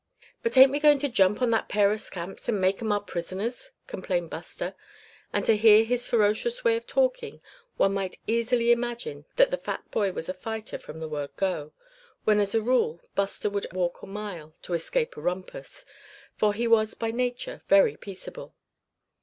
"But ain't we goin' to jump on that pair of scamps, and make 'em our prisoners?" complained Buster; and to hear his ferocious way of talking one might easily imagine that the fat boy was a fighter from the word go, when as a rule Buster would walk a mile to escape a rumpus, for he was by nature very peaceable.